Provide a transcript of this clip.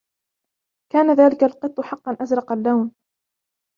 كان ذلك القط حقا أزرق اللون.